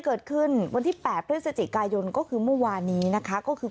เกิดขึ้นวันที่๘พฤศจิกายนก็คือเมื่อวานนี้นะคะก็คือ